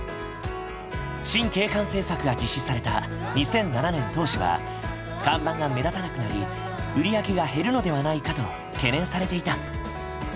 新景観政策が実施された２００７年当初は看板が目立たなくなり売り上げが減るのではないかと懸念されていた。